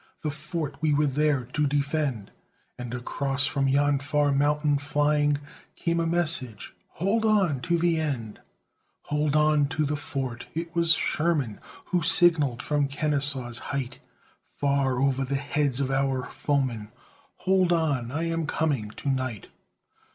The fort we were there to defend, And across from yon far mountain flying, Came a message, "Hold on to the end; Hold on to the fort." It was Sherman, Who signalled from Kenesaw's height, Far over the heads of our foemen, "Hold on I am coming to night."